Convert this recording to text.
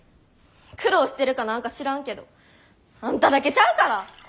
苦労してるかなんか知らんけどあんただけちゃうから！